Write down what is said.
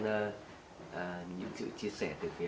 những sự chia sẻ từ kia